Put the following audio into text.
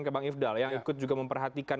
ke bang ifdal yang ikut juga memperhatikan